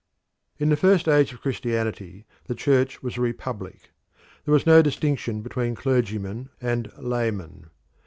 In the first age of Christianity the Church was a republic. There was no distinction between clergymen and laymen.